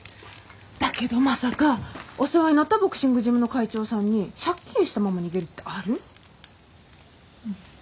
だけどまさかお世話になったボクシングジムの会長さんに借金したまま逃げるってある？